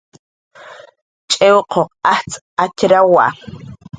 tx'iwquq antz atxrawa